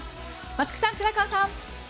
松木さん、寺川さん！